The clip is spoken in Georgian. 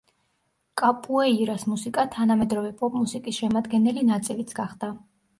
კაპუეირას მუსიკა თანამედროვე პოპ მუსიკის შემადგენელი ნაწილიც გახდა.